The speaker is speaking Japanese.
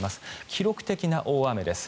記録的な大雨です。